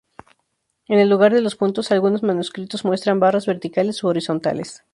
En el lugar de los puntos algunos manuscritos muestran barras verticales u horizontales.